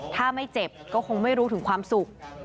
ถ้าไม่เจ็บก็คงไม่รู้ถึงความสุข